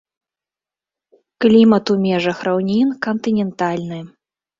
Клімат у межах раўнін кантынентальны.